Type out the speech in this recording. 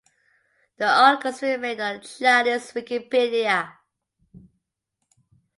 The articles remained on Chinese Wikipedia.